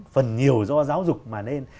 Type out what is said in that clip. phần nhiều do giáo dục mà nên